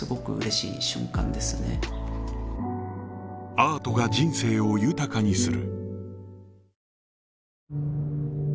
アートが人生を豊かにする